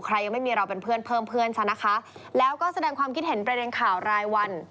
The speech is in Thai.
ยังไม่มีเราเป็นเพื่อนเพิ่มเพื่อนซะนะคะแล้วก็แสดงความคิดเห็นประเด็นข่าวรายวัน